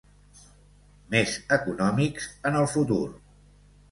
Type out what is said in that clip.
Més econòmics, en el futur.